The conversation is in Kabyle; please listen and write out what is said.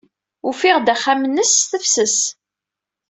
Ufiɣ-d axxam-nnes s tefses.